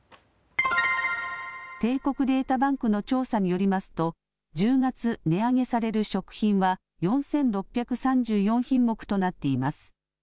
帝国データバンクの調査によりますと１０月、値上げされる食品は４６３４品目となっています。